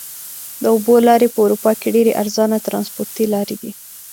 د اوبو لارې په اروپا کې ډېرې ارزانه ترانسپورتي لارې دي.